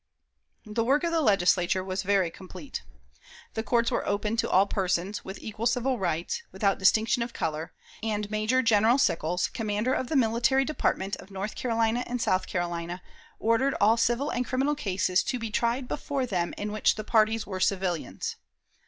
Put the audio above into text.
The work of the Legislature was very complete. The courts were open to all persons, with equal civil rights, without distinction of color, and Major General Sickles, commander of the Military Department of North Carolina and South Carolina, ordered all civil and criminal cases to be tried before them in which the parties were civilians.